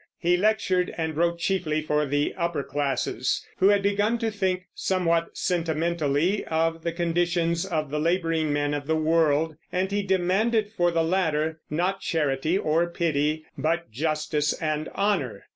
He lectured and wrote chiefly for the upper classes who had begun to think, somewhat sentimentally, of the conditions of the laboring men of the world; and he demanded for the latter, not charity or pity, but justice and honor.